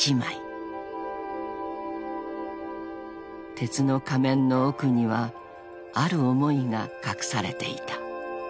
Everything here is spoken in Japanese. ［鉄の仮面の奥にはある思いが隠されていた］